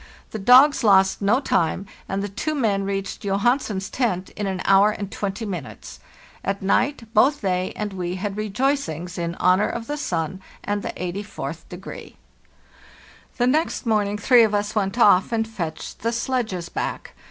The dogs lost no time, and the two men reached Johansen's tent in an hour and twenty minutes. At night both they and we had rejoicings in honor of the sun and the 84th degree. "The next morning three of us went off and fetched the sledges back.